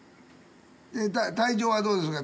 体調はどうですか？